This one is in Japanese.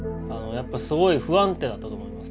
やっぱすごい不安定だったと思います。